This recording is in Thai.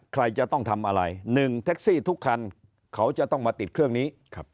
ใครจะต้องทำอะไร๑แท็กซี่ทุกคันเขาจะต้องมาติดเครื่องนี้